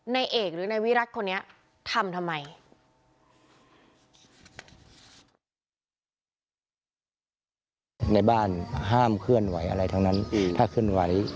ในเอกหรือในวิรักษ์คนนี้ทำทำไม